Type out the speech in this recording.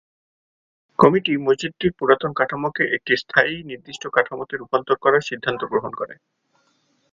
Committee মসজিদটির পুরাতন কাঠামোকে একটি স্থায়ী নির্দিষ্ট কাঠামোতে রূপান্তর করার সিদ্ধান্ত গ্রহণ করে।